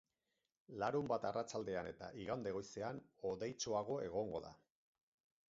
Larunbat arratsaldean eta igande goizean, hodeitsuago egongo da.